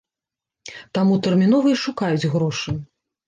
Таму тэрмінова і шукаюць грошы.